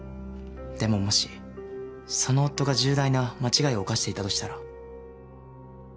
でももしその夫が重大な間違いを犯していたとしたら。